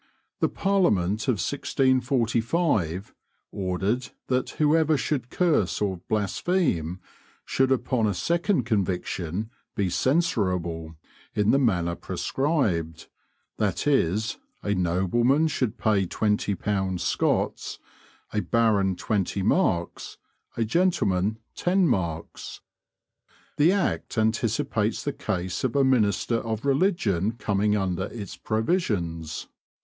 The Parliament of 1645 ordered that whoever should curse or blaspheme should upon a second conviction be "censurable" in the manner prescribed, that is, a nobleman should pay twenty pounds Scots, a baron twenty marks, a gentleman ten marks. The Act anticipates the case of a minister of religion coming under its provisions.